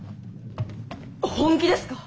本気ですか？